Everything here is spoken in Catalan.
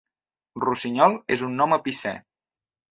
'Rossinyol' és un nom epicè.